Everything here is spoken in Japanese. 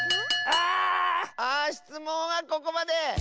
あしつもんはここまで！